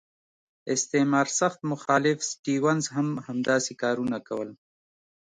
استعمار سخت مخالف سټیونز هم همداسې کارونه کول.